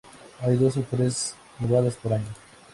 Hay dos o tres nevadas por año.